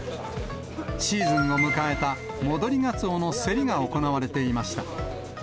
シーズンを迎えた戻りガツオの競りが行われていました。